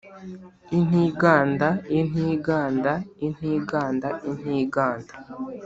Intiganda, intiganda, intiganda intiganda